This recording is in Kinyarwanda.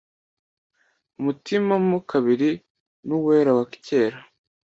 umutima mo kabiri ni uwera, wa kera;